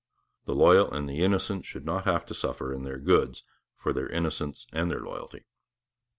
The loyal and the innocent should not have to suffer in their goods for their innocence and their loyalty.